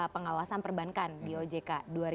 pengawasan perbankan di ojk